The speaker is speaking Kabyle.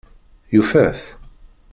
Yufa-t?